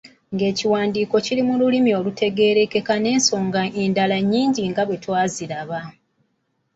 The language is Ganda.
Nga ekiwandiiko kiri mu lulimi olutegeerekeka n’ensonga endala nnyingi nga bwe twaziraba.